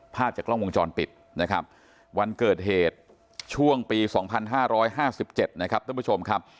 ภาพจากล้องวงจรปิดนะครับวันเกิดเหตุช่วงปี๒๕๕๗นะครับ